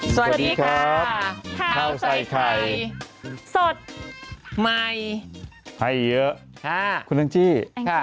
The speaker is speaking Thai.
สวัสดีค่ะข้าวใส่ไข่สดใหม่ให้เยอะค่ะคุณแองจี้ค่ะ